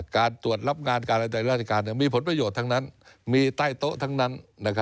การตรวจรับงานการอะไรในราชการมีผลประโยชน์ทั้งนั้นมีใต้โต๊ะทั้งนั้น